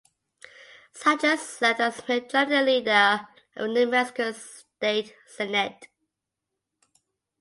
Sanchez served as the Majority Leader of the New Mexico State Senate.